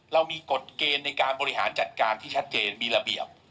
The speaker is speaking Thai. เรามีกฎเกณฑ์ในการบริหารจัดการที่ชัดเจนมีระเบียบ